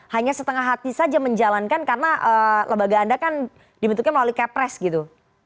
hanya setengah hati saja menjalankan karena lembaga anda kan dibentuknya melalui kepres gitu